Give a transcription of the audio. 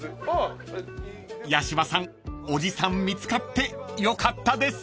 ［八嶋さんおじさん見つかってよかったです］